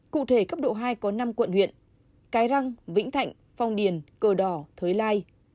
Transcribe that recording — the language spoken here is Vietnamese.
cụ thể cấp độ hai có năm quận huyện cái răng vĩnh thạnh phong điền cờ đỏ thới lai